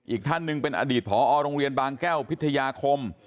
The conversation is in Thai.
อีกท่านหนึ่งเป็นอดีตผอโรงเรียนบางแก้วพิทยาคม